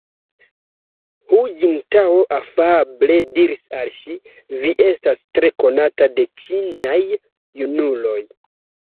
Hu Jintao afable diris al ŝi: Vi estas tre konata de ĉinaj junuloj.